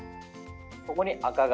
そこに赤貝。